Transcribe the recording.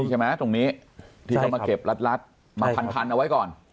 ดีใช่ไหมตรงนี้เขามาเก็บลัดคันเอาไว้ก่อน